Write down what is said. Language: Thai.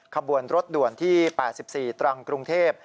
ขบวนรถด่วนที่๘๔ตรังกรุงเทพ